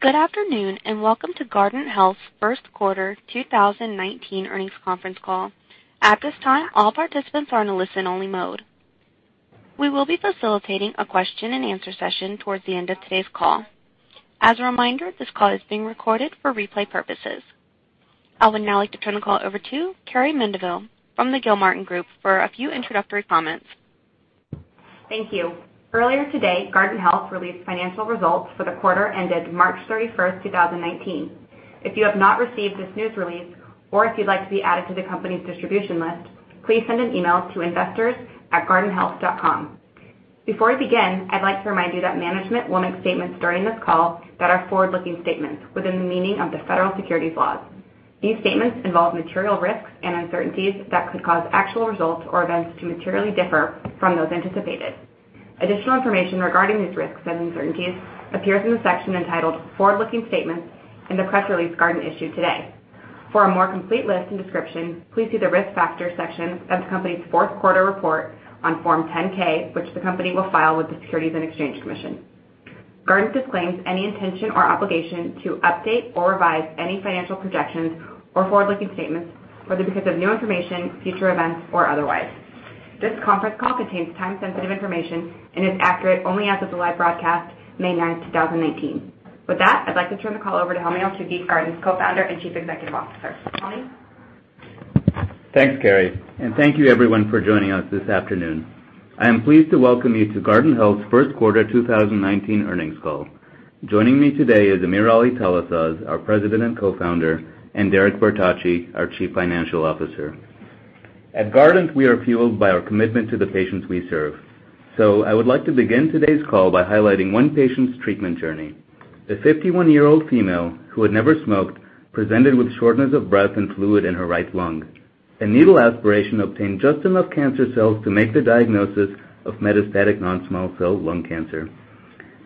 Good afternoon, and welcome to Guardant Health's first quarter 2019 earnings conference call. At this time, all participants are in a listen-only mode. We will be facilitating a question and answer session towards the end of today's call. As a reminder, this call is being recorded for replay purposes. I would now like to turn the call over to Carrie Mandeville from the Gilmartin Group for a few introductory comments. Thank you. Earlier today, Guardant Health released financial results for the quarter ended March 31st, 2019. If you have not received this news release, or if you'd like to be added to the company's distribution list, please send an email to investors@guardanthealth.com. Before we begin, I'd like to remind you that management will make statements during this call that are forward-looking statements within the meaning of the federal securities laws. These statements involve material risks and uncertainties that could cause actual results or events to materially differ from those anticipated. Additional information regarding these risks and uncertainties appears in the section entitled Forward-Looking Statements in the press release Guardant issued today. For a more complete list and description, please see the Risk Factors section of the company's fourth quarter report on Form 10-K, which the company will file with the Securities and Exchange Commission. Guardant disclaims any intention or obligation to update or revise any financial projections or forward-looking statements, whether because of new information, future events, or otherwise. This conference call contains time-sensitive information and is accurate only as of the live broadcast, May 9th, 2019. With that, I'd like to turn the call over to Helmy Eltoukhy, Guardant's Co-founder and Chief Executive Officer. Helmy? Thanks, Carrie. Thank you everyone for joining us this afternoon. I am pleased to welcome you to Guardant Health's first quarter 2019 earnings call. Joining me today is AmirAli Talasaz, our President and Co-founder, and Derek Bertocci, our Chief Financial Officer. At Guardant, we are fueled by our commitment to the patients we serve. I would like to begin today's call by highlighting one patient's treatment journey. A 51-year-old female who had never smoked presented with shortness of breath and fluid in her right lung. A needle aspiration obtained just enough cancer cells to make the diagnosis of metastatic non-small cell lung cancer.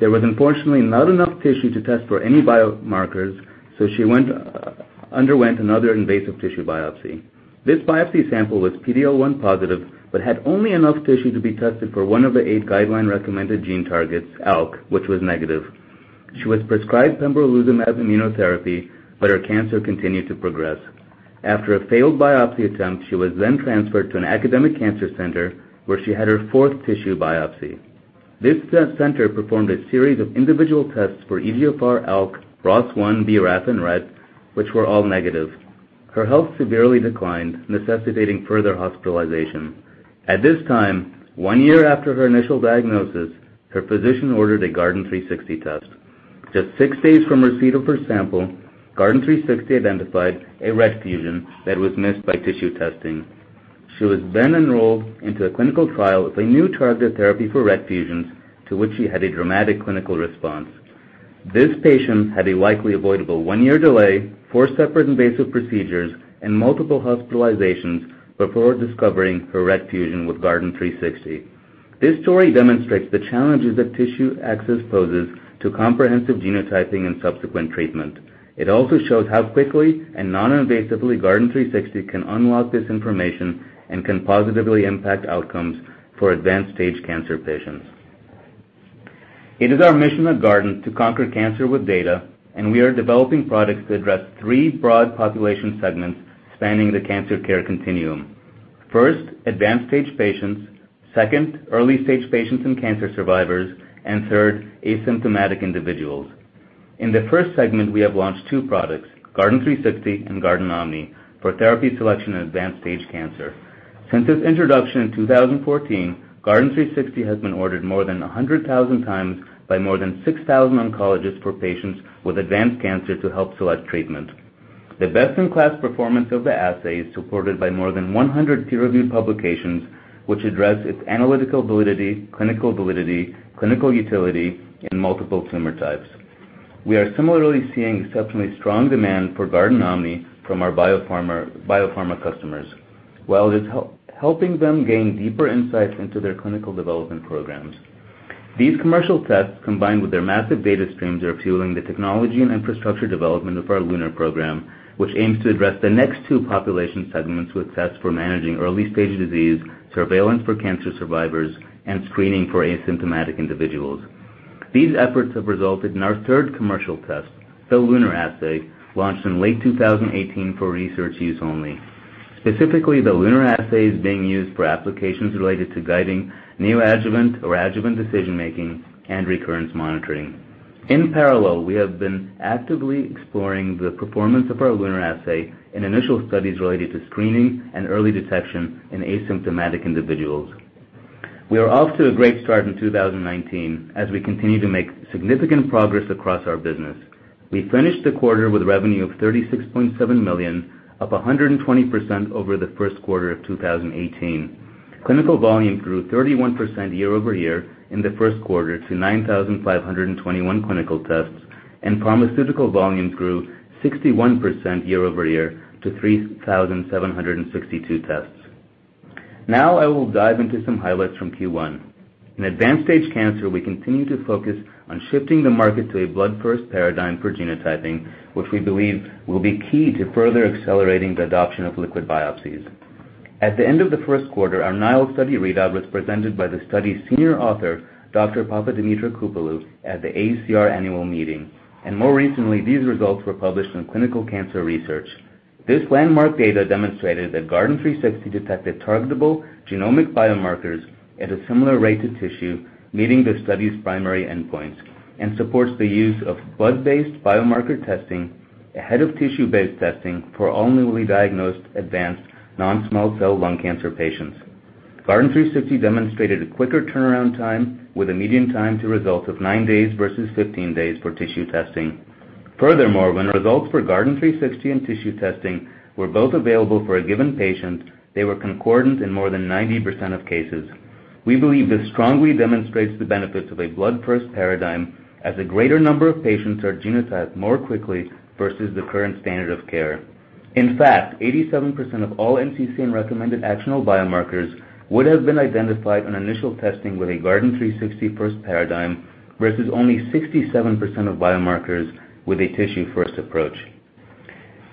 There was unfortunately not enough tissue to test for any biomarkers, so she underwent another invasive tissue biopsy. This biopsy sample was PD-L1 positive but had only enough tissue to be tested for one of the eight guideline-recommended gene targets, ALK, which was negative. She was prescribed pembrolizumab immunotherapy. Her cancer continued to progress. After a failed biopsy attempt, she was then transferred to an academic cancer center where she had her four tissue biopsy. This center performed a series of individual tests for EGFR, ALK, ROS1, BRAF, and RET, which were all negative. Her health severely declined, necessitating further hospitalization. At this time, one year after her initial diagnosis, her physician ordered a Guardant360 test. Just six days from receipt of her sample, Guardant360 identified a RET fusion that was missed by tissue testing. She was then enrolled into a clinical trial with a new targeted therapy for RET fusions, to which she had a dramatic clinical response. This patient had a likely avoidable one-year delay, four separate invasive procedures, and multiple hospitalizations before discovering her RET fusion with Guardant360. This story demonstrates the challenges that tissue access poses to comprehensive genotyping and subsequent treatment. It also shows how quickly and non-invasively Guardant360 can unlock this information and can positively impact outcomes for advanced-stage cancer patients. It is our mission at Guardant to conquer cancer with data, and we are developing products that address three broad population segments spanning the cancer care continuum. First, advanced-stage patients, second, early-stage patients and cancer survivors, and third, asymptomatic individuals. In the first segment, we have launched two products, Guardant360 and GuardantOMNI, for therapy selection in advanced-stage cancer. Since its introduction in 2014, Guardant360 has been ordered more than 100,000 times by more than 6,000 oncologists for patients with advanced cancer to help select treatment. The best-in-class performance of the assay is supported by more than 100 peer-reviewed publications, which address its analytical validity, clinical validity, clinical utility in multiple tumor types. We are similarly seeing exceptionally strong demand for GuardantOMNI from our biopharma customers, while it's helping them gain deeper insights into their clinical development programs. These commercial tests, combined with their massive data streams, are fueling the technology and infrastructure development of our LUNAR program, which aims to address the next two population segments with tests for managing early-stage disease, surveillance for cancer survivors, and screening for asymptomatic individuals. These efforts have resulted in our third commercial test, the LUNAR assay, launched in late 2018 for research use only. Specifically, the LUNAR assay is being used for applications related to guiding neoadjuvant or adjuvant decision-making and recurrence monitoring. In parallel, we have been actively exploring the performance of our LUNAR assay in initial studies related to screening and early detection in asymptomatic individuals. We are off to a great start in 2019 as we continue to make significant progress across our business. We finished the quarter with revenue of $36.7 million, up 120% over the first quarter of 2018. Clinical volume grew 31% year-over-year in the first quarter to 9,521 clinical tests, and pharmaceutical volume grew 61% year-over-year to 3,762 tests. I will dive into some highlights from Q1. In advanced-stage cancer, we continue to focus on shifting the market to a blood-first paradigm for genotyping, which we believe will be key to further accelerating the adoption of liquid biopsies. At the end of the first quarter, our NILE study readout was presented by the study's senior author, Dr. Vassiliki Papadimitrakopoulou, at the AACR annual meeting, and more recently, these results were published in "Clinical Cancer Research." This landmark data demonstrated that Guardant360 detected targetable genomic biomarkers at a similar rate to tissue, meeting the study's primary endpoints, and supports the use of blood-based biomarker testing ahead of tissue-based testing for all newly diagnosed advanced non-small cell lung cancer patients. Guardant360 demonstrated a quicker turnaround time with a median time to result of nine days versus 15 days for tissue testing. Furthermore, when results for Guardant360 and tissue testing were both available for a given patient, they were concordant in more than 90% of cases. We believe this strongly demonstrates the benefits of a blood first paradigm as a greater number of patients are genotyped more quickly versus the current standard of care. In fact, 87% of all NCCN recommended actionable biomarkers would have been identified on initial testing with a Guardant360 first paradigm, versus only 67% of biomarkers with a tissue first approach.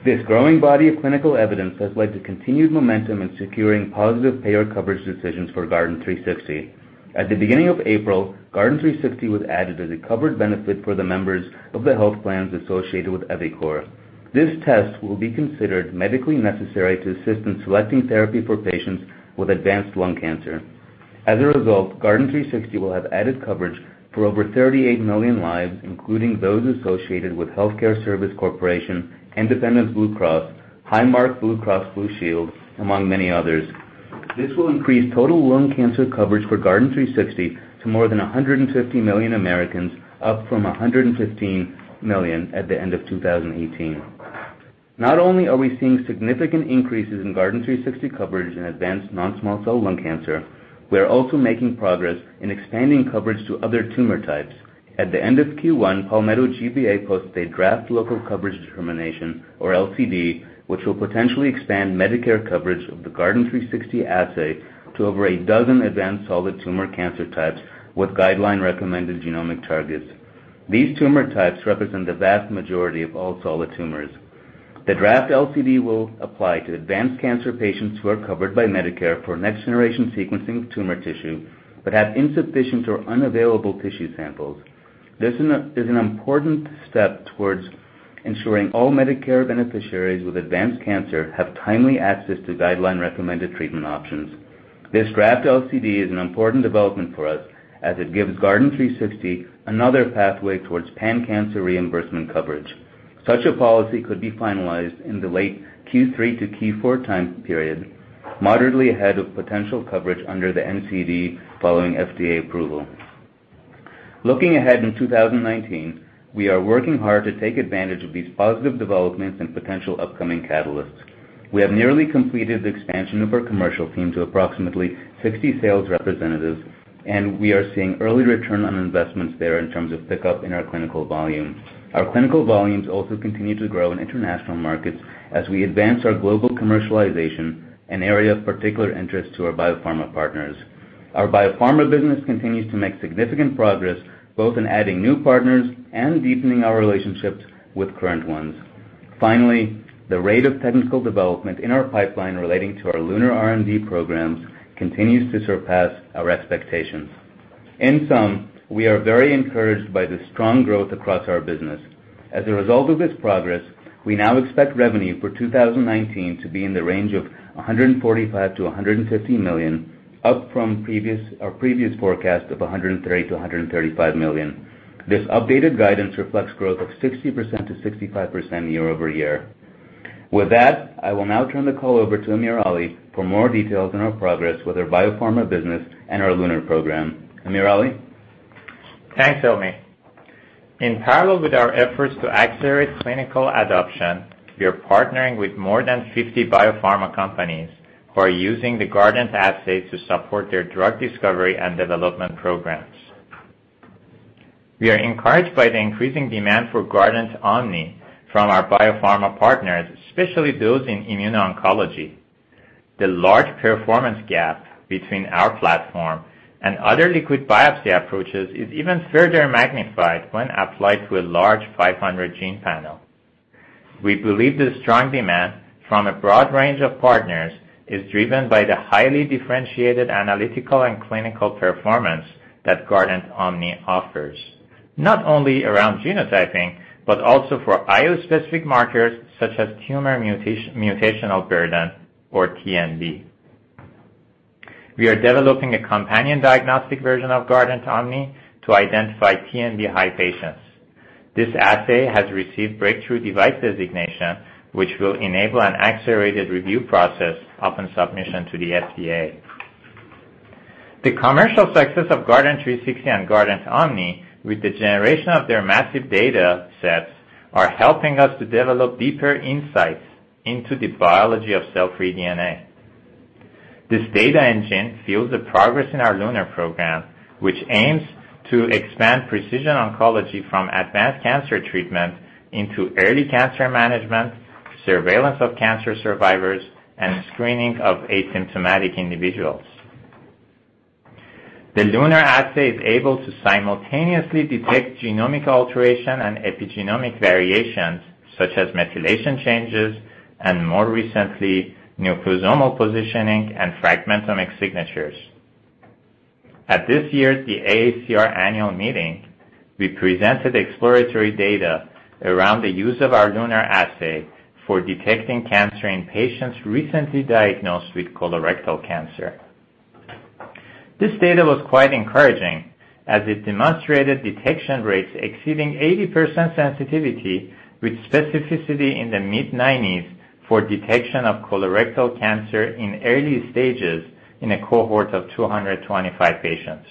This growing body of clinical evidence has led to continued momentum in securing positive payer coverage decisions for Guardant360. At the beginning of April, Guardant360 was added as a covered benefit for the members of the health plans associated with eviCore. This test will be considered medically necessary to assist in selecting therapy for patients with advanced lung cancer. As a result, Guardant360 will have added coverage for over 38 million lives, including those associated with Health Care Service Corporation, Independence Blue Cross, Highmark Blue Cross Blue Shield, among many others. This will increase total lung cancer coverage for Guardant360 to more than 150 million Americans, up from 115 million at the end of 2018. Not only are we seeing significant increases in Guardant360 coverage in advanced non-small cell lung cancer, we are also making progress in expanding coverage to other tumor types. At the end of Q1, Palmetto GBA posted a draft local coverage determination, or LCD, which will potentially expand Medicare coverage of the Guardant360 assay to over a dozen advanced solid tumor cancer types with guideline-recommended genomic targets. These tumor types represent the vast majority of all solid tumors. The draft LCD will apply to advanced cancer patients who are covered by Medicare for next-generation sequencing of tumor tissue but have insufficient or unavailable tissue samples. This is an important step towards ensuring all Medicare beneficiaries with advanced cancer have timely access to guideline-recommended treatment options. This draft LCD is an important development for us as it gives Guardant360 another pathway towards pan-cancer reimbursement coverage. Such a policy could be finalized in the late Q3 to Q4 time period, moderately ahead of potential coverage under the NCD following FDA approval. Looking ahead in 2019, we are working hard to take advantage of these positive developments and potential upcoming catalysts. We have nearly completed the expansion of our commercial team to approximately 60 sales representatives, and we are seeing early return on investments there in terms of pickup in our clinical volume. Our clinical volumes also continue to grow in international markets as we advance our global commercialization, an area of particular interest to our biopharma partners. Our biopharma business continues to make significant progress, both in adding new partners and deepening our relationships with current ones. The rate of technical development in our pipeline relating to our LUNAR R&D programs continues to surpass our expectations. In sum, we are very encouraged by the strong growth across our business. As a result of this progress, we now expect revenue for 2019 to be in the range of $145 million-$150 million, up from our previous forecast of $130 million-$135 million. This updated guidance reflects growth of 60%-65% year-over-year. With that, I will now turn the call over to AmirAli for more details on our progress with our biopharma business and our LUNAR program. AmirAli? Thanks, Helmy. In parallel with our efforts to accelerate clinical adoption, we are partnering with more than 50 biopharma companies who are using the Guardant assays to support their drug discovery and development programs. We are encouraged by the increasing demand for GuardantOMNI from our biopharma partners, especially those in immuno-oncology. The large performance gap between our platform and other liquid biopsy approaches is even further magnified when applied to a large 500-gene panel. We believe the strong demand from a broad range of partners is driven by the highly differentiated analytical and clinical performance that GuardantOMNI offers, not only around genotyping, but also for IO-specific markers such as tumor mutational burden, or TMB. We are developing a companion diagnostic version of GuardantOMNI to identify TMB-high patients. This assay has received breakthrough device designation, which will enable an accelerated review process upon submission to the FDA. The commercial success of Guardant360 and GuardantOMNI with the generation of their massive data sets are helping us to develop deeper insights into the biology of cell-free DNA. This data engine fuels the progress in our LUNAR program, which aims to expand precision oncology from advanced cancer treatment into early cancer management, surveillance of cancer survivors, and screening of asymptomatic individuals. The LUNAR assay is able to simultaneously detect genomic alteration and epigenomic variations such as methylation changes and more recently, nucleosomal positioning and fragmentomic signatures. At this year's the AACR annual meeting, we presented exploratory data around the use of our LUNAR assay for detecting cancer in patients recently diagnosed with colorectal cancer. This data was quite encouraging as it demonstrated detection rates exceeding 80% sensitivity with specificity in the mid-90s for detection of colorectal cancer in early stages in a cohort of 225 patients.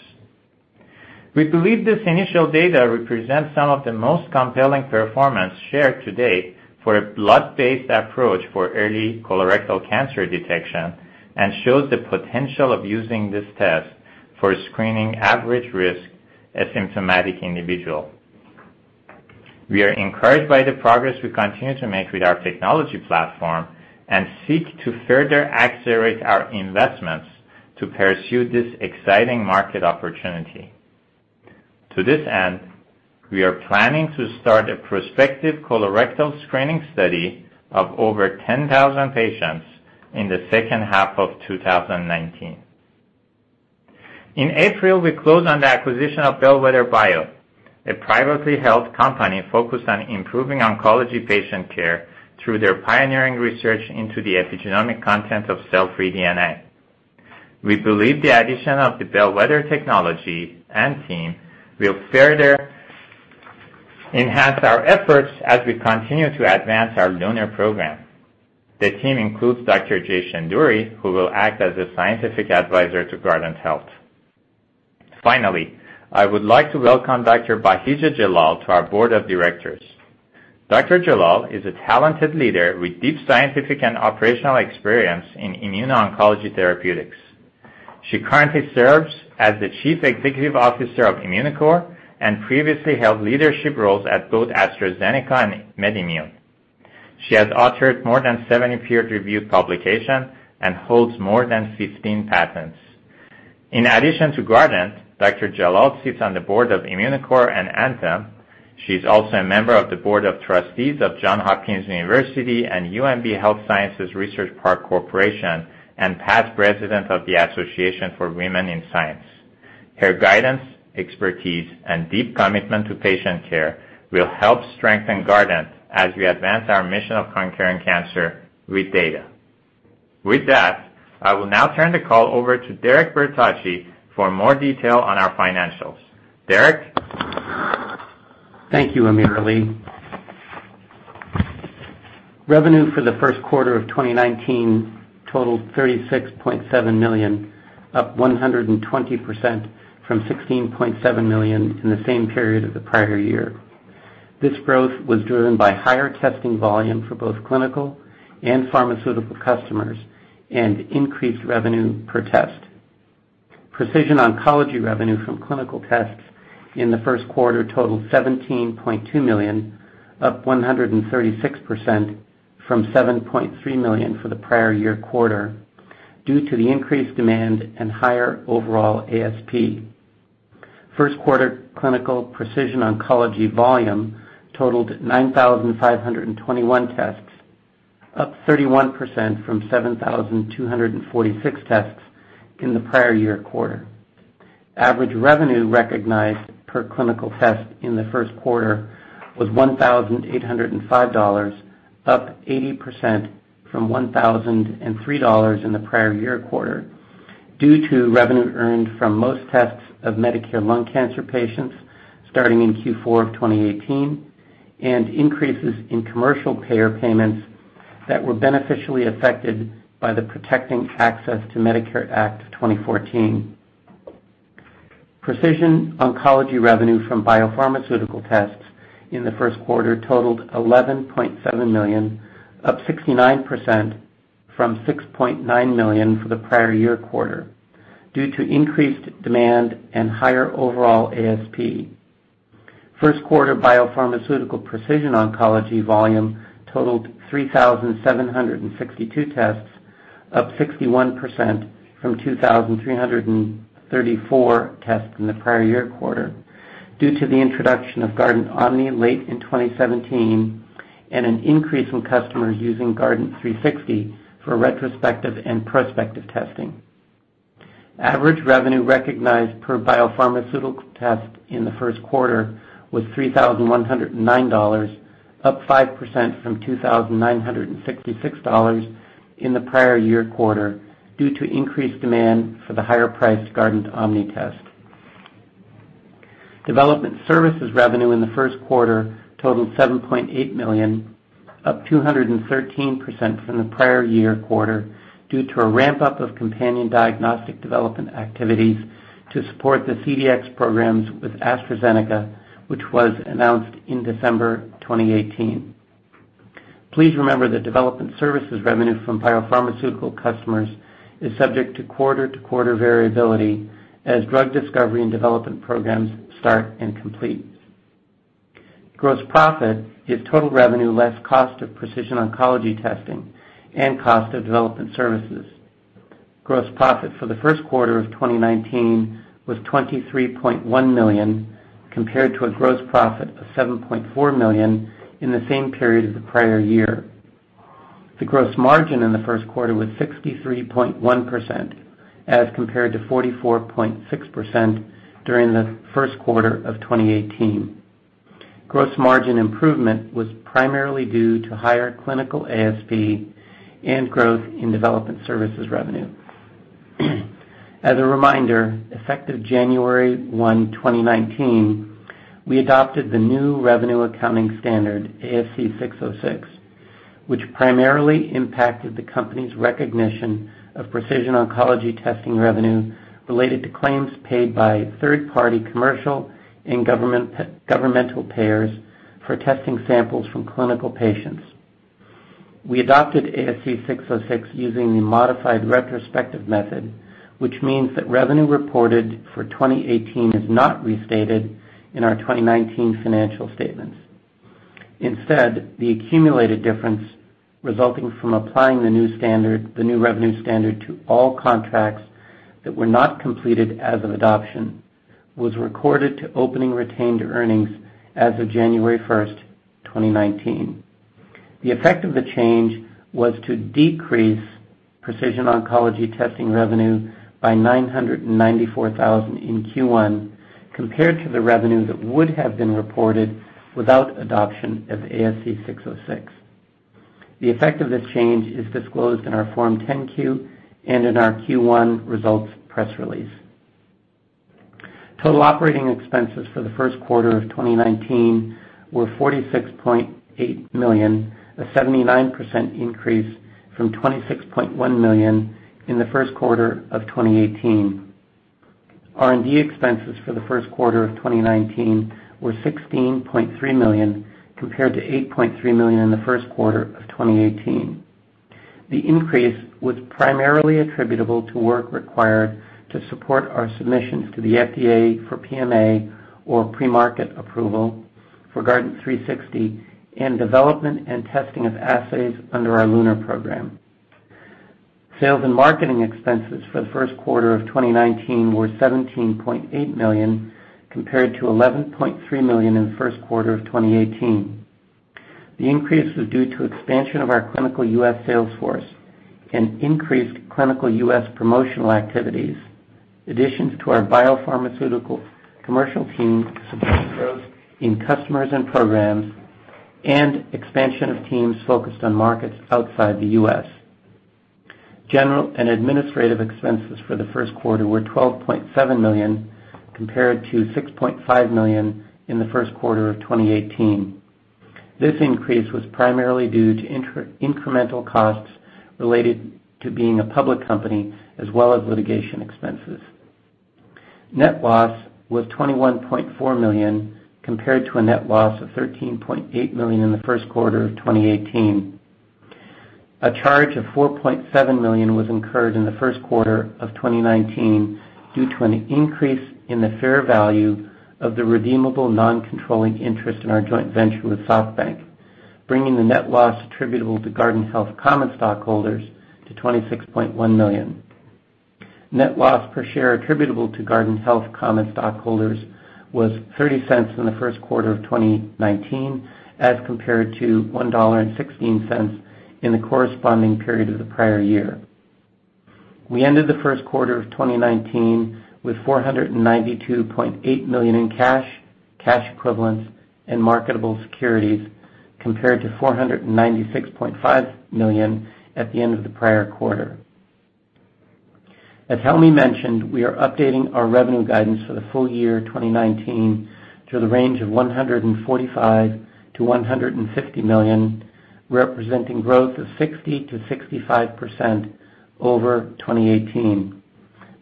We believe this initial data represents some of the most compelling performance shared to date for a blood-based approach for early colorectal cancer detection and shows the potential of using this test for screening average risk asymptomatic individual. We are encouraged by the progress we continue to make with our technology platform and seek to further accelerate our investments to pursue this exciting market opportunity. To this end, we are planning to start a prospective colorectal screening study of over 10,000 patients in the second half of 2019. In April, we closed on the acquisition of Bellwether Bio, a privately held company focused on improving oncology patient care through their pioneering research into the epigenomic content of cell-free DNA. We believe the addition of the Bellwether technology and team will further enhance our efforts as we continue to advance our LUNAR program. The team includes Dr. Jay Shendure, who will act as a scientific advisor to Guardant Health. Finally, I would like to welcome Dr. Bahija Jallal to our board of directors. Dr. Jallal is a talented leader with deep scientific and operational experience in immuno-oncology therapeutics. She currently serves as the chief executive officer of Immunocore, and previously held leadership roles at both AstraZeneca and MedImmune. She has authored more than 70 peer-reviewed publications and holds more than 15 patents. In addition to Guardant, Dr. Jallal sits on the board of Immunocore and Anthem. She's also a member of the Board of Trustees of Johns Hopkins University and UMB Health Sciences Research Park Corporation, and past president of the Association for Women in Science. Her guidance, expertise, and deep commitment to patient care will help strengthen Guardant as we advance our mission of conquering cancer with data. With that, I will now turn the call over to Derek Bertocci for more detail on our financials. Derek? Thank you, AmirAli. Revenue for the first quarter of 2019 totaled $36.7 million, up 120% from $16.7 million in the same period of the prior year. This growth was driven by higher testing volume for both clinical and pharmaceutical customers and increased revenue per test. Precision oncology revenue from clinical tests in the first quarter totaled $17.2 million, up 136% from $7.3 million for the prior year quarter due to the increased demand and higher overall ASP. First quarter clinical precision oncology volume totaled 9,521 tests, up 31% from 7,246 tests in the prior year quarter. Average revenue recognized per clinical test in the first quarter was $1,805, up 80% from $1,003 in the prior year quarter due to revenue earned from most tests of Medicare lung cancer patients starting in Q4 of 2018 and increases in commercial payer payments that were beneficially affected by the Protecting Access to Medicare Act of 2014. Precision oncology revenue from biopharmaceutical tests in the first quarter totaled $11.7 million, up 69% from $6.9 million for the prior year quarter due to increased demand and higher overall ASP. First quarter biopharmaceutical precision oncology volume totaled 3,762 tests, up 61% from 2,334 tests in the prior year quarter due to the introduction of GuardantOMNI late in 2017 and an increase in customers using Guardant360 for retrospective and prospective testing. Average revenue recognized per biopharmaceutical test in the first quarter was $3,109, up 5% from $2,966 in the prior year quarter due to increased demand for the higher priced GuardantOMNI test. Development services revenue in the first quarter totaled $7.8 million, up 213% from the prior year quarter due to a ramp-up of companion diagnostic development activities to support the CDx programs with AstraZeneca, which was announced in December 2018. Please remember that development services revenue from biopharmaceutical customers is subject to quarter-to-quarter variability as drug discovery and development programs start and complete. Gross profit is total revenue less cost of precision oncology testing and cost of development services. Gross profit for the first quarter of 2019 was $23.1 million, compared to a gross profit of $7.4 million in the same period of the prior year. The gross margin in the first quarter was 63.1%, as compared to 44.6% during the first quarter of 2018. Gross margin improvement was primarily due to higher clinical ASP and growth in development services revenue. As a reminder, effective January 1, 2019, we adopted the new revenue accounting standard, ASC 606, which primarily impacted the company's recognition of precision oncology testing revenue related to claims paid by third-party commercial and governmental payers for testing samples from clinical patients. We adopted ASC 606 using the modified retrospective method, which means that revenue reported for 2018 is not restated in our 2019 financial statements. Instead, the accumulated difference resulting from applying the new revenue standard to all contracts that were not completed as of adoption was recorded to opening retained earnings as of January 1st, 2019. The effect of the change was to decrease precision oncology testing revenue by $994,000 in Q1, compared to the revenue that would have been reported without adoption of ASC 606. The effect of this change is disclosed in our Form 10-Q and in our Q1 results press release. Total operating expenses for the first quarter of 2019 were $46.8 million, a 79% increase from $26.1 million in the first quarter of 2018. R&D expenses for the first quarter of 2019 were $16.3 million, compared to $8.3 million in the first quarter of 2018. The increase was primarily attributable to work required to support our submissions to the FDA for PMA or pre-market approval for Guardant360 and development and testing of assays under our LUNAR program. Sales and marketing expenses for the first quarter of 2019 were $17.8 million, compared to $11.3 million in the first quarter of 2018. The increase was due to expansion of our clinical U.S. sales force and increased clinical U.S. promotional activities, additions to our biopharmaceutical commercial team to support growth in customers and programs, and expansion of teams focused on markets outside the U.S. General and administrative expenses for the first quarter were $12.7 million, compared to $6.5 million in the first quarter of 2018. This increase was primarily due to incremental costs related to being a public company, as well as litigation expenses. Net loss was $21.4 million, compared to a net loss of $13.8 million in the first quarter of 2018. A charge of $4.7 million was incurred in the first quarter of 2019 due to an increase in the fair value of the redeemable non-controlling interest in our joint venture with SoftBank, bringing the net loss attributable to Guardant Health common stockholders to $26.1 million. Net loss per share attributable to Guardant Health common stockholders was $0.30 in the first quarter of 2019, as compared to $1.16 in the corresponding period of the prior year. We ended the first quarter of 2019 with $492.8 million in cash equivalents, and marketable securities, compared to $496.5 million at the end of the prior quarter. As Helmy mentioned, we are updating our revenue guidance for the full year 2019 to the range of $145 million-$150 million, representing growth of 60%-65% over 2018.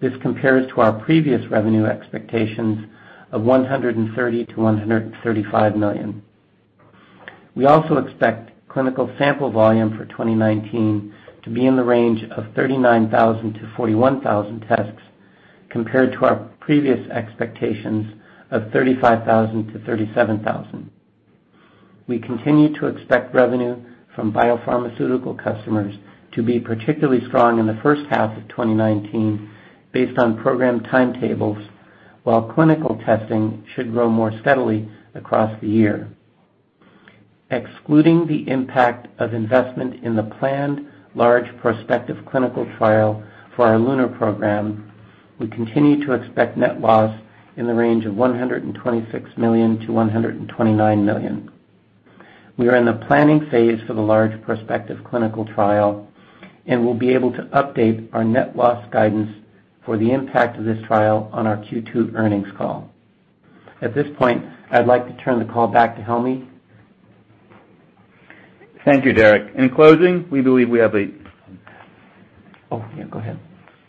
This compares to our previous revenue expectations of $130 million-$135 million. We also expect clinical sample volume for 2019 to be in the range of 39,000-41,000 tests, compared to our previous expectations of 35,000-37,000. We continue to expect revenue from biopharmaceutical customers to be particularly strong in the first half of 2019 based on program timetables, while clinical testing should grow more steadily across the year. Excluding the impact of investment in the planned large prospective clinical trial for our LUNAR program, we continue to expect net loss in the range of $126 million-$129 million. We are in the planning phase for the large prospective clinical trial, and we'll be able to update our net loss guidance for the impact of this trial on our Q2 earnings call. At this point, I'd like to turn the call back to Helmy. Thank you, Derek. In closing, we believe we have a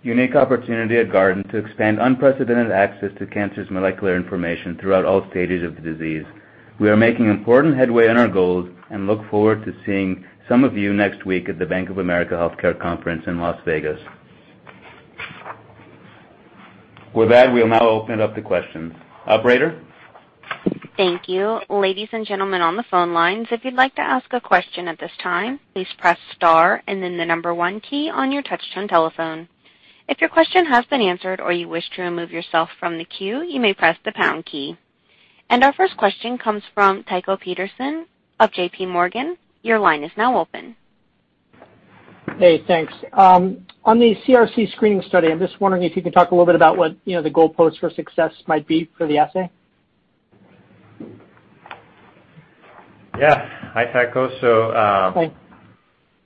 unique opportunity at Guardant to expand unprecedented access to cancer's molecular information throughout all stages of the disease. We are making important headway on our goals and look forward to seeing some of you next week at the Bank of America Healthcare Conference in Las Vegas. With that, we'll now open it up to questions. Operator? Thank you. Ladies and gentlemen on the phone lines, if you'd like to ask a question at this time, please press star and then the number 1 key on your touch-tone telephone. If your question has been answered or you wish to remove yourself from the queue, you may press the pound key. Our first question comes from Tycho Peterson of J.P. Morgan. Your line is now open. Hey, thanks. On the CRC screening study, I'm just wondering if you could talk a little bit about what the goalpost for success might be for the assay. Yeah. Hi, Tycho. Hi.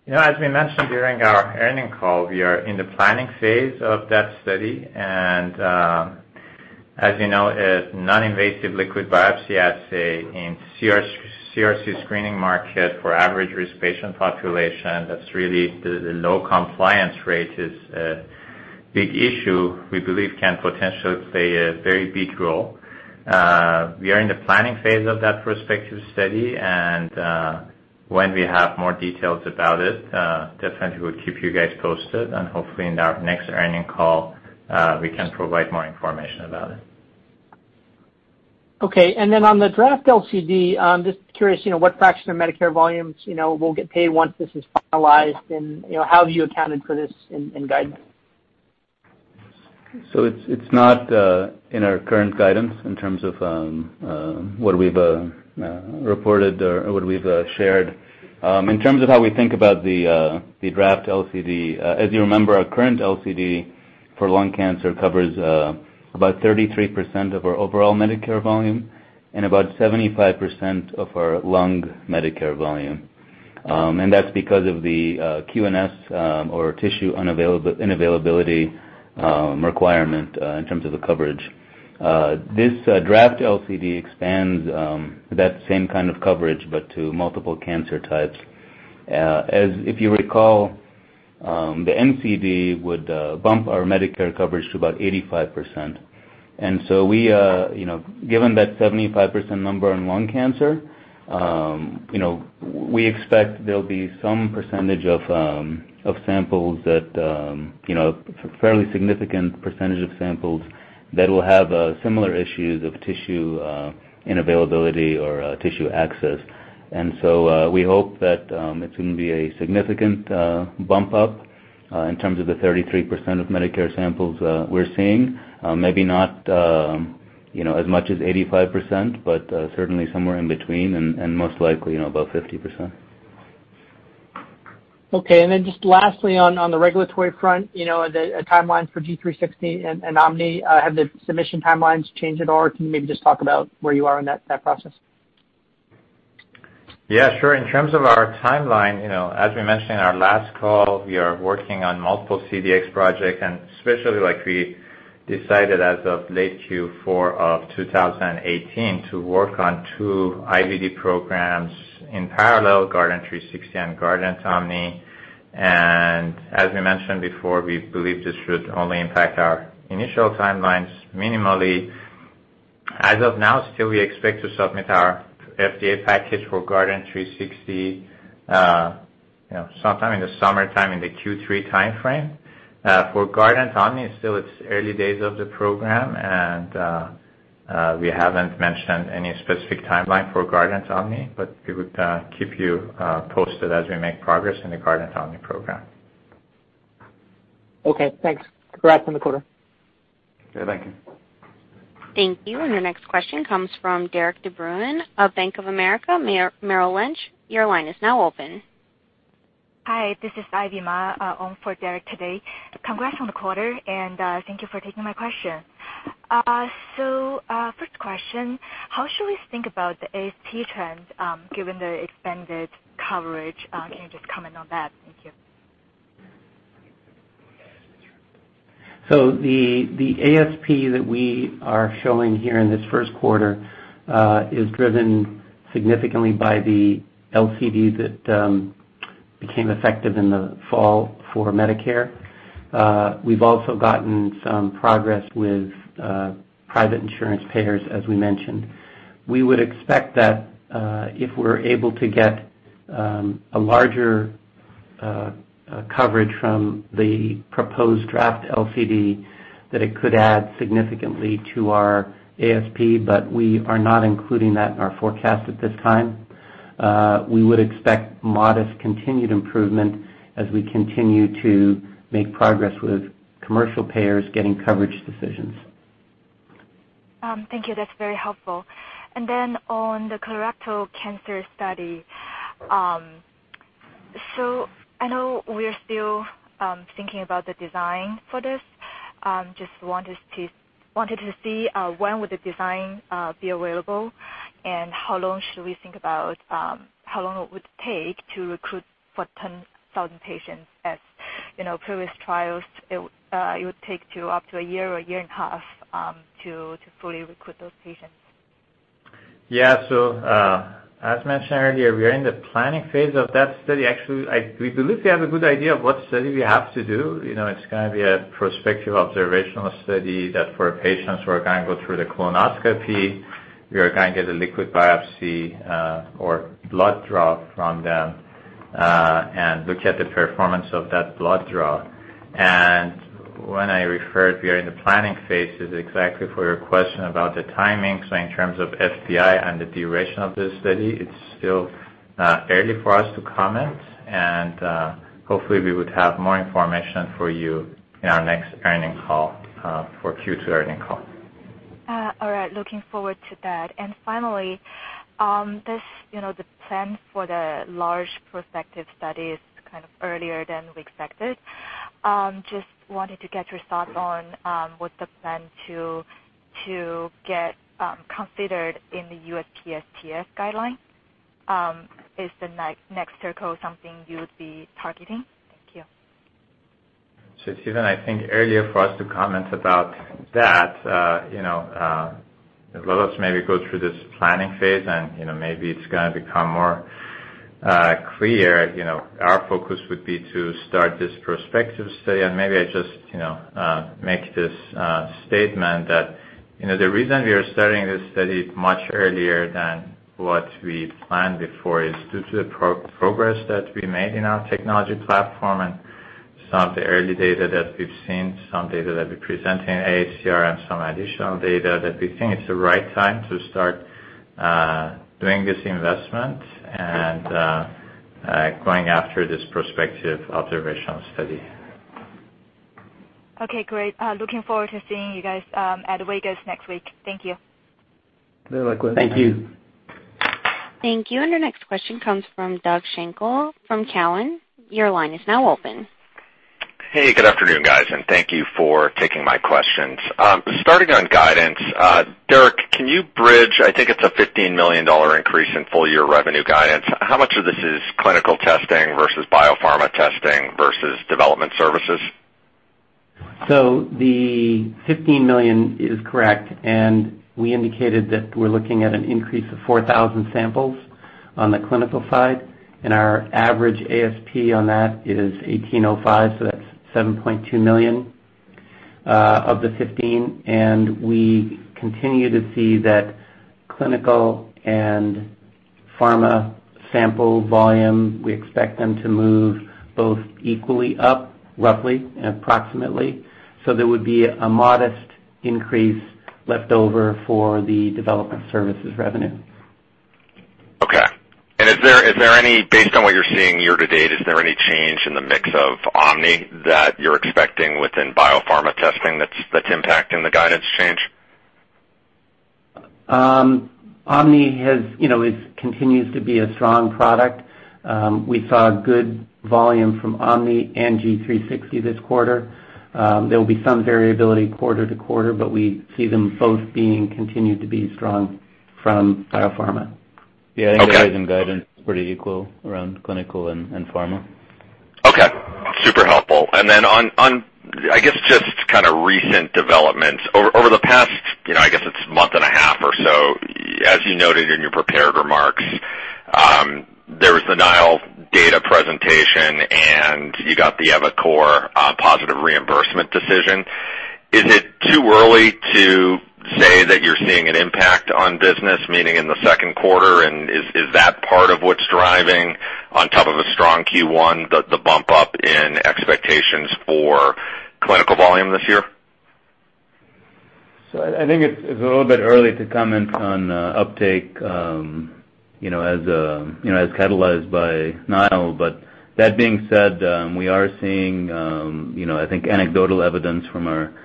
As we mentioned during our earnings call, we are in the planning phase of that study. As you know, a non-invasive liquid biopsy assay in CRC screening market for average-risk patient population that's really, the low compliance rate is a big issue, we believe can potentially play a very big role. We are in the planning phase of that prospective study, and when we have more details about it, definitely we'll keep you guys posted, and hopefully in our next earnings call, we can provide more information about it. Okay. On the draft LCD, I'm just curious, what fraction of Medicare volumes will get paid once this is finalized, and how have you accounted for this in guidance? It's not in our current guidance in terms of what we've reported or what we've shared. In terms of how we think about the draft LCD, as you remember, our current LCD for lung cancer covers about 33% of our overall Medicare volume and about 75% of our lung Medicare volume. That's because of the QNS or tissue unavailability requirement in terms of the coverage. This draft LCD expands that same kind of coverage, but to multiple cancer types. If you recall, the NCD would bump our Medicare coverage to about 85%. Given that 75% number in lung cancer, we expect there'll be a fairly significant percentage of samples that will have similar issues of tissue unavailability or tissue access. We hope that it's going to be a significant bump up in terms of the 33% of Medicare samples we're seeing. Maybe not as much as 85%, but certainly somewhere in between and most likely, about 50%. Okay. Just lastly on the regulatory front, the timelines for G360 and OMNI, have the submission timelines changed at all, or can you maybe just talk about where you are in that process? Yeah, sure. In terms of our timeline, as we mentioned in our last call, we are working on multiple CDx projects, especially like we decided as of late Q4 of 2018 to work on two IVD programs in parallel, Guardant360 and GuardantOMNI. As we mentioned before, we believe this should only impact our initial timelines minimally. As of now, still we expect to submit our FDA package for Guardant360 sometime in the summertime, in the Q3 timeframe. For GuardantOMNI, still it's early days of the program, and we haven't mentioned any specific timeline for GuardantOMNI, but we would keep you posted as we make progress in the GuardantOMNI program. Okay, thanks. Congrats on the quarter. Yeah, thank you. Thank you. Your next question comes from Derik de Bruin of Bank of America Merrill Lynch. Your line is now open. Hi, this is Ivy Ma on for Derek today. Congrats on the quarter. Thank you for taking my question. First question, how should we think about the ASP trends given the expanded coverage? Can you just comment on that? Thank you. The ASP that we are showing here in this first quarter is driven significantly by the LCD that became effective in the fall for Medicare. We've also gotten some progress with private insurance payers, as we mentioned. We would expect that if we're able to get a larger coverage from the proposed draft LCD, that it could add significantly to our ASP. We are not including that in our forecast at this time. We would expect modest continued improvement as we continue to make progress with commercial payers getting coverage decisions. Thank you. That's very helpful. On the colorectal cancer study, I know we're still thinking about the design for this. Just wanted to see when would the design be available and how long should we think about how long it would take to recruit for 10,000 patients, as previous trials, it would take up to a year or a year and a half to fully recruit those patients. Yeah. As mentioned earlier, we are in the planning phase of that study. Actually, we believe we have a good idea of what study we have to do. It's going to be a prospective observational study that for patients who are going to go through the colonoscopy, we are going to get a liquid biopsy or blood draw from them. And look at the performance of that blood draw. When I referred we are in the planning phases, exactly for your question about the timing. In terms of FDA and the duration of this study, it's still early for us to comment. Hopefully we would have more information for you in our next earnings call, for Q2 earnings call. All right, looking forward to that. Finally, the plan for the large prospective study is earlier than we expected. Just wanted to get your thoughts on what the plan to get considered in the USPSTF guideline. Is the next circle something you would be targeting? Thank you. Susan, I think earlier for us to comment about that. Let us maybe go through this planning phase and maybe it's going to become more clear. Our focus would be to start this prospective study. Maybe I just make this statement that the reason we are starting this study much earlier than what we planned before is due to the progress that we made in our technology platform and some of the early data that we've seen, some data that we present in AACR, and some additional data, that we think it's the right time to start doing this investment and going after this prospective observational study. Okay, great. Looking forward to seeing you guys at Vegas next week. Thank you. You're welcome. Thank you. Thank you. Our next question comes from Doug Schenkel from Cowen. Your line is now open. Hey, good afternoon, guys, thank you for taking my questions. Starting on guidance. Derek, can you bridge, I think it's a $15 million increase in full year revenue guidance. How much of this is clinical testing versus biopharma testing versus development services? The $15 million is correct, we indicated that we're looking at an increase of 4,000 samples on the clinical side, and our average ASP on that is $18.05, that's $7.2 million of the $15 million. We continue to see that clinical and pharma sample volume, we expect them to move both equally up, roughly and approximately. There would be a modest increase left over for the development services revenue. Okay. Based on what you're seeing year to date, is there any change in the mix of GuardantOMNI that you're expecting within biopharma testing that's impacting the guidance change? GuardantOMNI continues to be a strong product. We saw good volume from GuardantOMNI and Guardant360 this quarter. There'll be some variability quarter to quarter, we see them both being continued to be strong from biopharma. Yeah. Okay. I think the rise in guidance is pretty equal around clinical and pharma. Okay. Super helpful. Then on, I guess just recent developments. Over the past, I guess it's month and a half or so, as you noted in your prepared remarks, there was the NILE data presentation, you got the eviCore positive reimbursement decision. Is it too early to say that you're seeing an impact on business, meaning in the second quarter, is that part of what's driving on top of a strong Q1, the bump up in expectations for clinical volume this year? I think it's a little bit early to comment on uptake as catalyzed by NILE. That being said, we are seeing, I think anecdotal evidence from our sales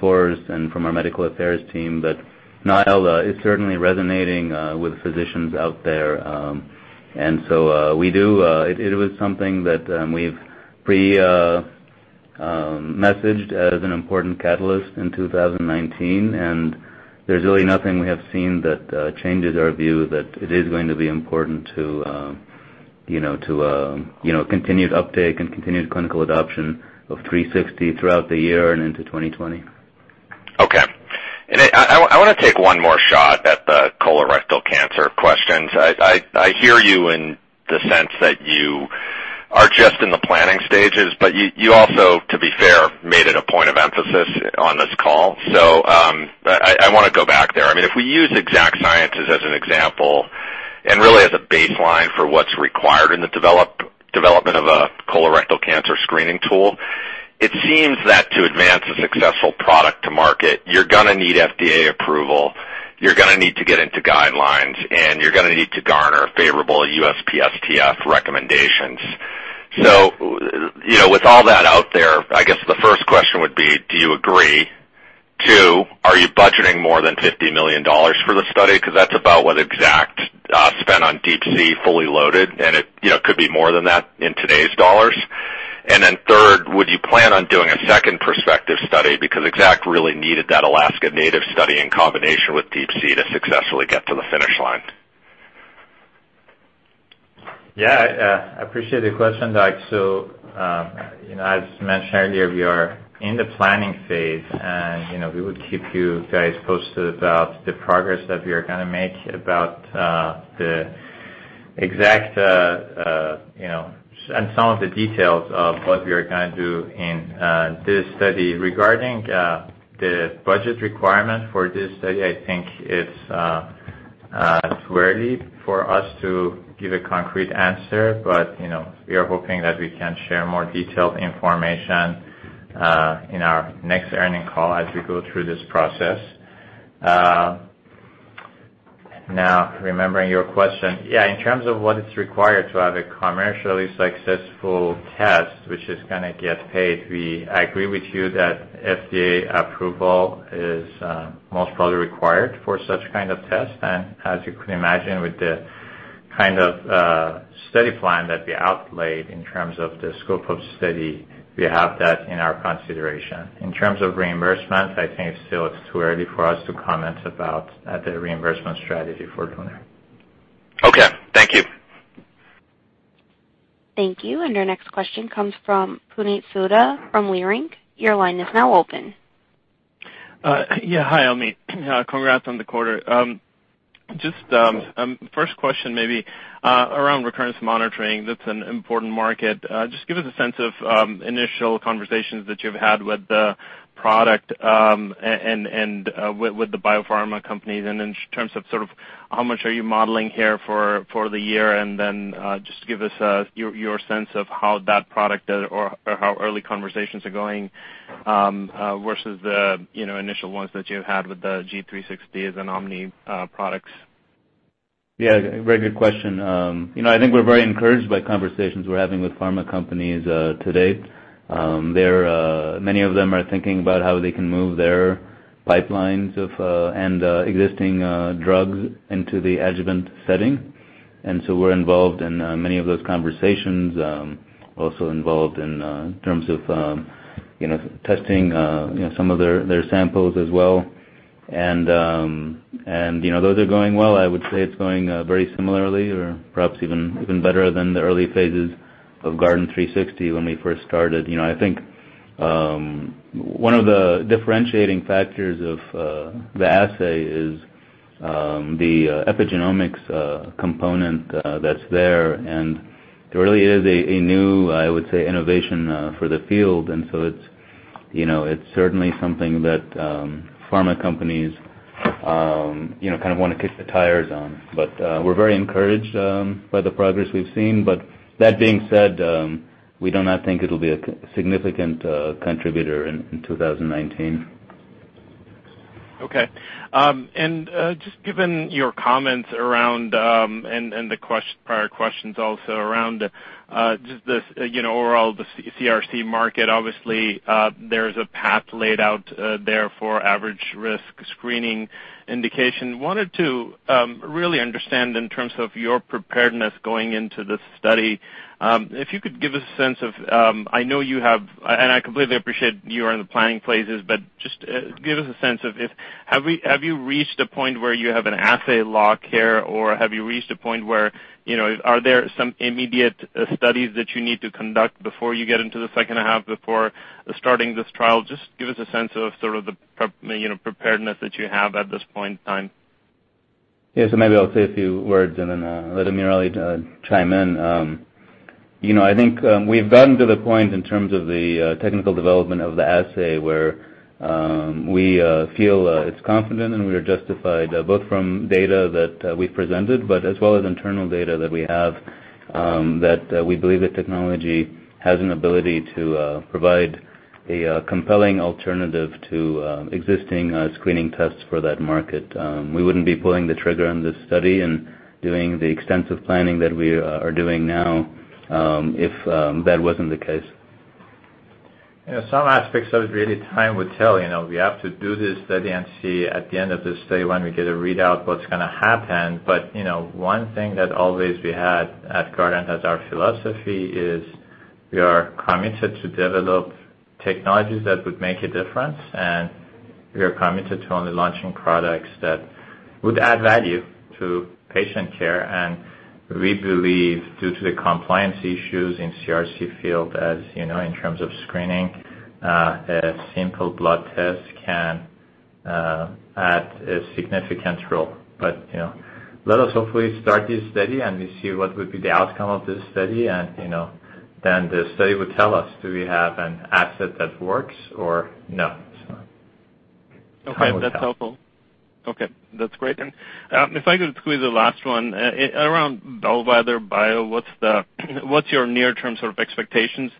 force and from our medical affairs team that NILE is certainly resonating with physicians out there. It was something that we've pre-messaged as an important catalyst in 2019, and there's really nothing we have seen that changes our view that it is going to be important to continued uptake and continued clinical adoption of Guardant360 throughout the year and into 2020. Okay. I want to take one more shot at the colorectal cancer questions. I hear you in the sense that you are just in the planning stages, you also, to be fair, made it a point of emphasis on this call. I want to go back there. If we use Exact Sciences as an example and really as a baseline for what's required in the development of a colorectal cancer screening tool, it seems that to advance a successful product to market, you're going to need FDA approval, you're going to need to get into guidelines, and you're going to need to garner favorable USPSTF recommendations. With all that out there, I guess the first question would be, do you agree? 2, are you budgeting more than $50 million for the study? That's about what Exact spent on DeeP-C fully loaded, and it could be more than that in today's dollars. 3rd, would you plan on doing a 2nd prospective study? Because Exact really needed that Alaska native study in combination with DeeP-C to successfully get to the finish line. Yeah. I appreciate the question, Doug. As mentioned earlier, we are in the planning phase, we will keep you guys posted about the progress that we are going to make about the Exact, and some of the details of what we are going to do in this study. Regarding the budget requirement for this study, I think it's too early for us to give a concrete answer. We are hoping that we can share more detailed information in our next earnings call as we go through this process. Remembering your question. Yeah, in terms of what is required to have a commercially successful test, which is going to get paid, I agree with you that FDA approval is most probably required for such kind of test. As you can imagine, with the kind of study plan that we outlaid in terms of the scope of study, we have that in our consideration. In terms of reimbursement, I think still it's too early for us to comment about the reimbursement strategy for LUNAR. Okay. Thank you. Thank you. Our next question comes from Puneet Souda from Leerink. Your line is now open. Yeah. Hi, Helmy. Congrats on the quarter. Just first question maybe around recurrence monitoring. That's an important market. Just give us a sense of initial conversations that you've had with the product and with the biopharma companies. In terms of how much are you modeling here for the year? Then just give us your sense of how that product or how early conversations are going versus the initial ones that you had with the G360 and Omni products. Yeah, very good question. I think we're very encouraged by conversations we're having with pharma companies to date. Many of them are thinking about how they can move their pipelines and existing drugs into the adjuvant setting. We're involved in many of those conversations, also involved in terms of testing some of their samples as well. Those are going well. I would say it's going very similarly or perhaps even better than the early phases of Guardant360 when we first started. I think one of the differentiating factors of the assay is the epigenomics component that's there, and it really is a new, I would say, innovation for the field. It's certainly something that pharma companies kind of want to kick the tires on. We're very encouraged by the progress we've seen. That being said, we do not think it'll be a significant contributor in 2019. Okay. Just given your comments around, and the prior questions also around just the overall, the CRC market, obviously, there's a path laid out there for average risk screening indication. Wanted to really understand in terms of your preparedness going into this study. If you could give us a sense of, and I completely appreciate you are in the planning phases, but just give us a sense of have you reached a point where you have an assay lock here, or have you reached a point where are there some immediate studies that you need to conduct before you get into the second half before starting this trial? Just give us a sense of sort of the preparedness that you have at this point in time. Yeah. Maybe I'll say a few words and then let AmirAli chime in. I think we've gotten to the point in terms of the technical development of the assay where we feel it's confident and we are justified, both from data that we've presented, but as well as internal data that we have, that we believe the technology has an ability to provide a compelling alternative to existing screening tests for that market. We wouldn't be pulling the trigger on this study and doing the extensive planning that we are doing now if that wasn't the case. Some aspects of really time will tell. We have to do this study and see at the end of the study when we get a readout, what's going to happen. One thing that always we had at Guardant Health as our philosophy is we are committed to develop technologies that would make a difference, and we are committed to only launching products that would add value to patient care. We believe due to the compliance issues in CRC field, as you know, in terms of screening, a simple blood test can add a significant role. Let us hopefully start this study, and we see what would be the outcome of this study. Then the study would tell us, do we have an asset that works or no? Time will tell. Okay. That's helpful. Okay, that's great. If I could squeeze a last one. Around Bellwether Bio, what's your near-term sort of expectations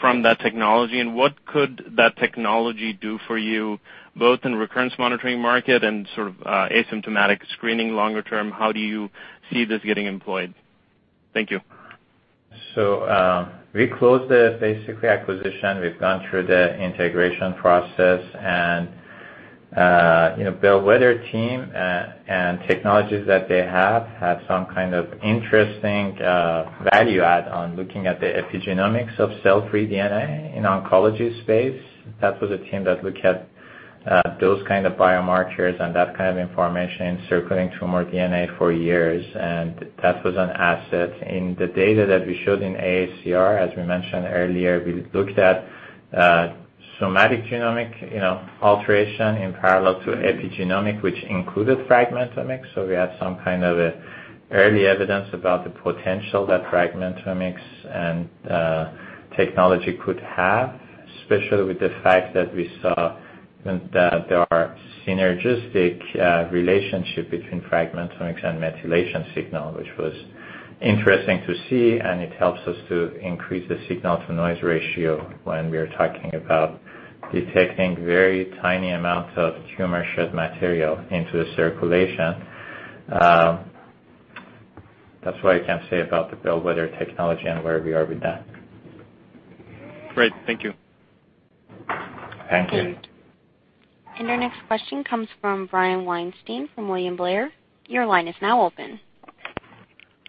from that technology, and what could that technology do for you both in recurrence monitoring market and sort of asymptomatic screening longer term? How do you see this getting employed? Thank you. We closed the basically acquisition. We've gone through the integration process and Bellwether team and technologies that they have had some kind of interesting value add on looking at the epigenomics of cell-free DNA in oncology space. That was a team that looked at those kind of biomarkers and that kind of information circling through more DNA for years. That was an asset in the data that we showed in AACR. As we mentioned earlier, we looked at somatic genomic alteration in parallel to epigenomic, which included fragmentomics. We had some kind of early evidence about the potential that fragmentomics and technology could have, especially with the fact that we saw that there are synergistic relationship between fragmentomics and methylation signal, which was interesting to see, and it helps us to increase the signal-to-noise ratio when we are talking about detecting very tiny amounts of tumor shed material into the circulation. That's what I can say about the Bellwether Bio technology and where we are with that. Great. Thank you. Thank you. Thank you. Our next question comes from Brian Weinstein from William Blair. Your line is now open.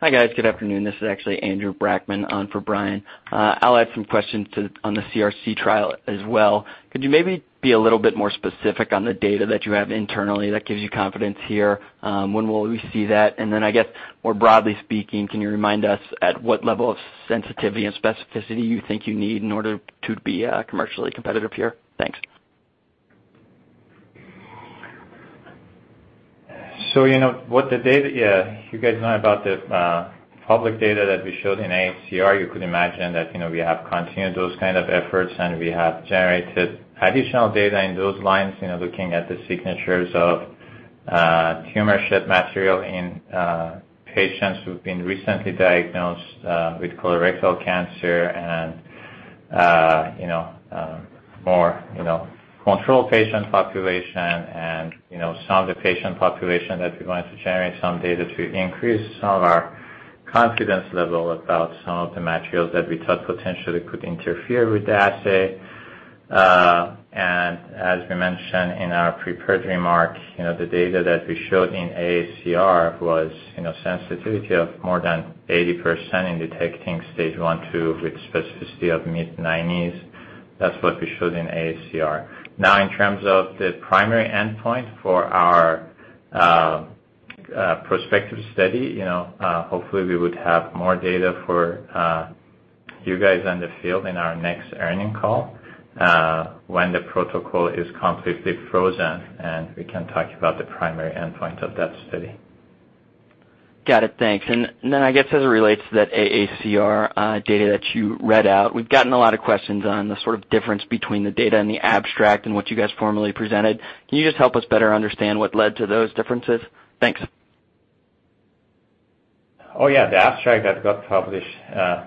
Hi, guys. Good afternoon. This is actually Andrew Brackmann on for Brian. I'll add some questions on the CRC trial as well. Could you maybe be a little bit more specific on the data that you have internally that gives you confidence here? When will we see that? Then, I guess, more broadly speaking, can you remind us at what level of sensitivity and specificity you think you need in order to be commercially competitive here? Thanks. You guys know about the public data that we showed in AACR. You could imagine that we have continued those kind of efforts, and we have generated additional data in those lines, looking at the signatures of tumor shed material in patients who've been recently diagnosed with colorectal cancer and more controlled patient population and some of the patient population that we wanted to generate some data to increase some of our confidence level about some of the materials that we thought potentially could interfere with the assay. As we mentioned in our prepared remarks, the data that we showed in AACR was sensitivity of more than 80% in detecting stage I, II with specificity of mid-90s. That's what we showed in AACR. In terms of the primary endpoint for our prospective study, hopefully we would have more data for you guys in the field in our next earnings call, when the protocol is completely frozen, and we can talk about the primary endpoint of that study. Got it. Thanks. Then, I guess as it relates to that AACR data that you read out, we've gotten a lot of questions on the sort of difference between the data and the abstract and what you guys formally presented. Can you just help us better understand what led to those differences? Thanks. Oh, yeah. The abstract that got published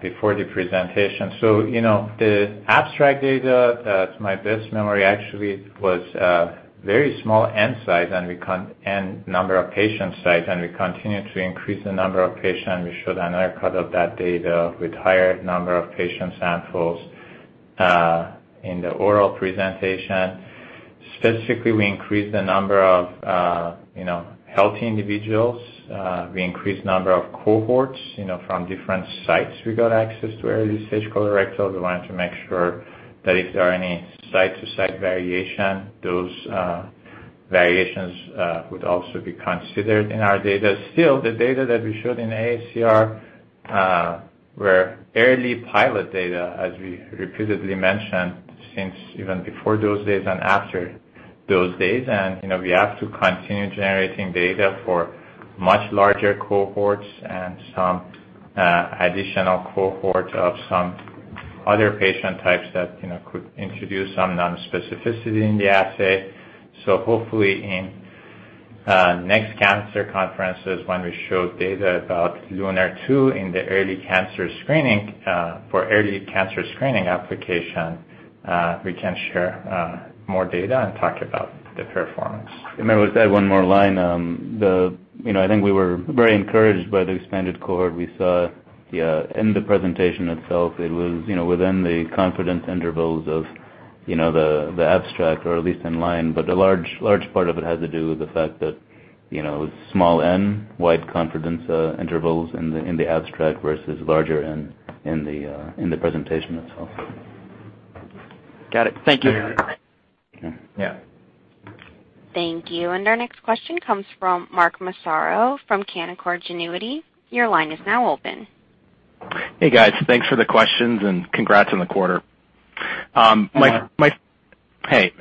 before the presentation. The abstract data, to my best memory, actually was a very small N size and number of patient size, and we continued to increase the number of patients. We showed another cut of that data with higher number of patient samples in the oral presentation. Specifically, we increased the number of healthy individuals. We increased number of cohorts from different sites we got access to early-stage colorectal. We wanted to make sure that if there are any site-to-site variation, those variations would also be considered in our data. Still, the data that we showed in AACR were early pilot data, as we repeatedly mentioned, since even before those days and after those days. We have to continue generating data for much larger cohorts and some additional cohort of some other patient types that could introduce some non-specificity in the assay. Hopefully, in next cancer conferences, when we show data about LUNAR-2 for early cancer screening application, we can share more data and talk about the performance. May I add one more line. I think we were very encouraged by the expanded cohort we saw in the presentation itself. It was within the confidence intervals of the abstract or at least in line, but a large part of it has to do with the fact that small N, wide confidence intervals in the abstract versus larger N in the presentation itself. Got it. Thank you. Yeah. Thank you. Our next question comes from Mark Massaro from Canaccord Genuity. Your line is now open. Hey, guys. Thanks for the questions and congrats on the quarter. Hi, Mark. Hey.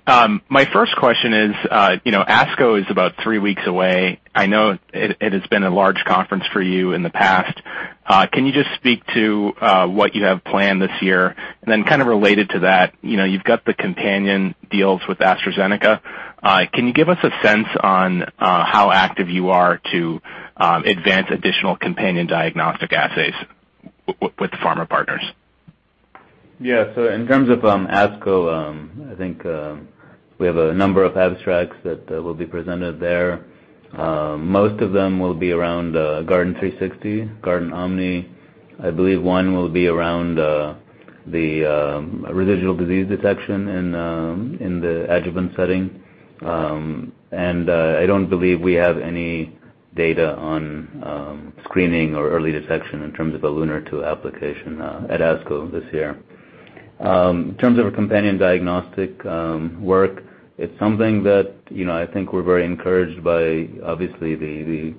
My first question is, ASCO is about three weeks away. I know it has been a large conference for you in the past. Can you just speak to what you have planned this year? Then kind of related to that, you've got the companion deals with AstraZeneca. Can you give us a sense on how active you are to advance additional companion diagnostic assays with pharma partners? Yeah. In terms of ASCO, I think we have a number of abstracts that will be presented there. Most of them will be around Guardant360, GuardantOMNI. I believe one will be around the residual disease detection in the adjuvant setting. I don't believe we have any data on screening or early detection in terms of a LUNAR-2 application at ASCO this year. In terms of our companion diagnostic work, it's something that I think we're very encouraged by, obviously, the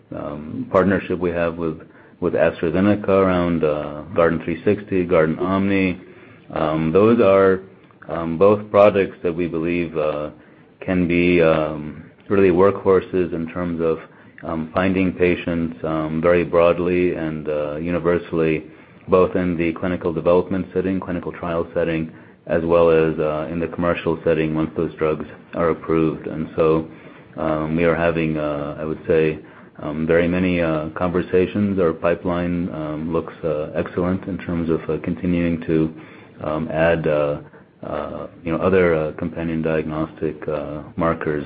partnership we have with AstraZeneca around Guardant360, GuardantOMNI. Those are both products that we believe can be really workhorses in terms of finding patients very broadly and universally, both in the clinical development setting, clinical trial setting, as well as in the commercial setting once those drugs are approved. We are having, I would say, very many conversations. Our pipeline looks excellent in terms of continuing to add other companion diagnostic markers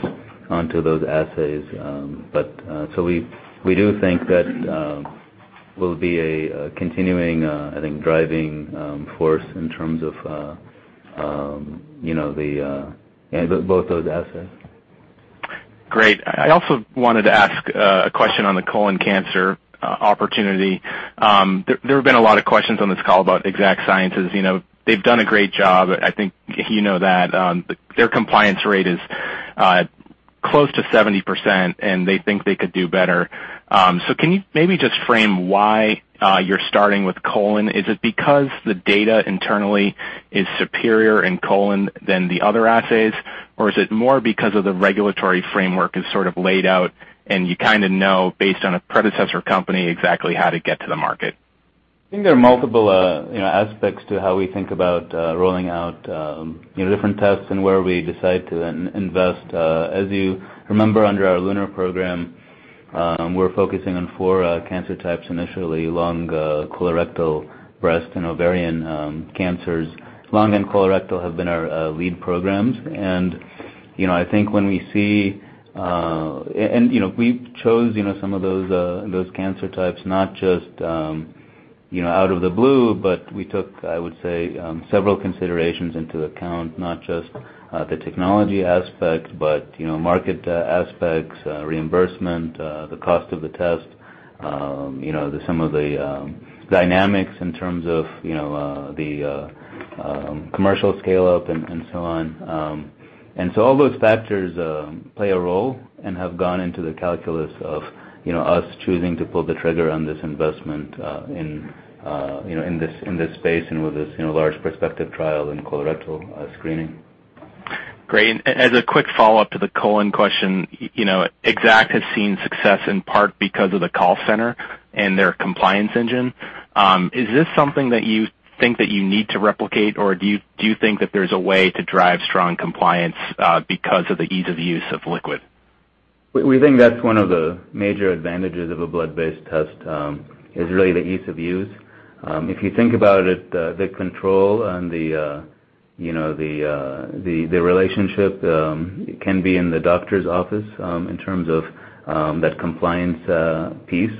onto those assays. We do think that will be a continuing, I think, driving force in terms of both those assets. Great. I also wanted to ask a question on the colon cancer opportunity. There have been a lot of questions on this call about Exact Sciences. They've done a great job, I think you know that. Their compliance rate is close to 70%, and they think they could do better. Can you maybe just frame why you're starting with colon? Is it because the data internally is superior in colon than the other assays, or is it more because of the regulatory framework is sort of laid out and you kind of know, based on a predecessor company, exactly how to get to the market? I think there are multiple aspects to how we think about rolling out different tests and where we decide to invest. As you remember, under our LUNAR program, we're focusing on four cancer types initially, lung, colorectal, breast and ovarian cancers. Lung and colorectal have been our lead programs. We chose some of those cancer types not just out of the blue, but we took, I would say, several considerations into account, not just the technology aspect, but market aspects, reimbursement, the cost of the test, some of the dynamics in terms of the commercial scale-up and so on. All those factors play a role and have gone into the calculus of us choosing to pull the trigger on this investment in this space and with this large prospective trial in colorectal screening. Great. As a quick follow-up to the colon question, Exact has seen success in part because of the call center and their compliance engine. Is this something that you think that you need to replicate, or do you think that there's a way to drive strong compliance because of the ease of use of liquid? We think that's one of the major advantages of a blood-based test, is really the ease of use. If you think about it, the control and the relationship can be in the doctor's office in terms of that compliance piece.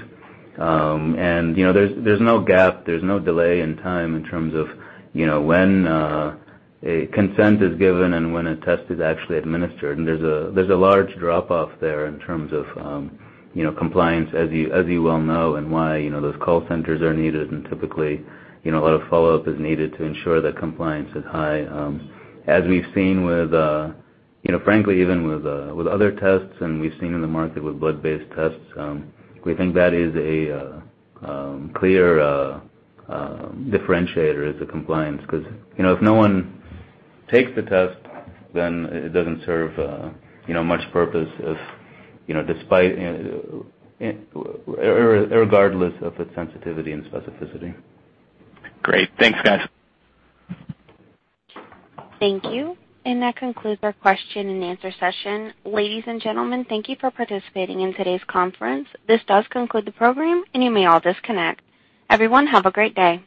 There's no gap, there's no delay in time in terms of when a consent is given and when a test is actually administered. There's a large drop-off there in terms of compliance, as you well know, and why those call centers are needed and typically, a lot of follow-up is needed to ensure that compliance is high. As we've seen frankly, even with other tests and we've seen in the market with blood-based tests, we think that is a clear differentiator, is the compliance. Because if no one takes the test, then it doesn't serve much purpose regardless of its sensitivity and specificity. Great. Thanks, guys. Thank you. That concludes our question and answer session. Ladies and gentlemen, thank you for participating in today's conference. This does conclude the program, and you may all disconnect. Everyone, have a great day.